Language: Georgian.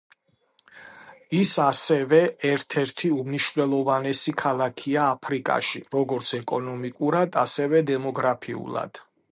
ის ასევე ერთ-ერთი უმნიშვნელოვანესი ქალაქია აფრიკაში როგორც ეკონომიკურად ასევე დემოგრაფიულად.